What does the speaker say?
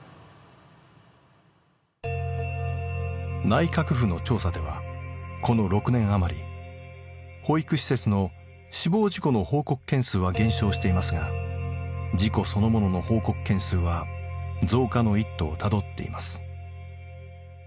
内閣府の調査ではこの６年余り保育施設の死亡事故の報告件数は減少していますが事故そのものの報告件数は増加の一途をたどっています。